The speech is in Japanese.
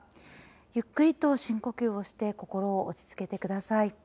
ゆっくりと深呼吸をして心を落ち着けてください。